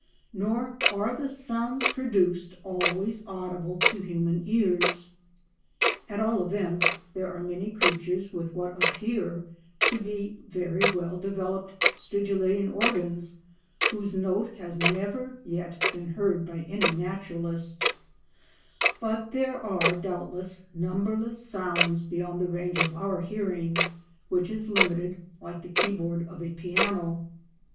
Nor are the sounds produced always audible to human ears; at all events there are many creatures with what appear to be very well developed stridulating organs whose note has never yet been heard by any naturalist, but there are doubtless numberless sounds beyond the range of our hearing, which is limited, like the keyboard of a piano.